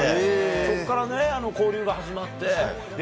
そこから交流が始まって。